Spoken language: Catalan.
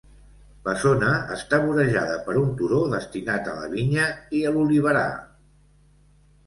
La zona està vorejada per un turó destinat a la vinya i a l'oliverar.